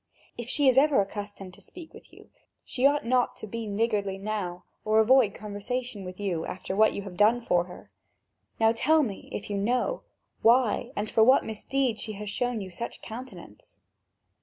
If she is ever accustomed to speak with you, she ought not to be niggardly now or avoid conversation with you, after what you have done for her. Now tell me, if you know, why and for what misdeed she has shown you such a countenance."